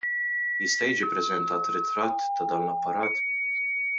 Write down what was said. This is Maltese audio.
Jista' jiġi ppreżentat ritratt ta' dan l-apparat?